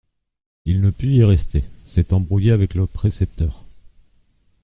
Il ne put y rester, s'étant brouillé avec le précepteur.